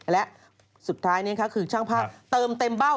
และสุดท้ายคือช่างภาพเติมเต็มเบ้า